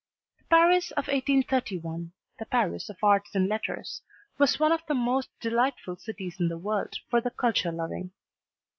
The Paris of 1831, the Paris of arts and letters, was one of the most delightful cities in the world for the culture loving.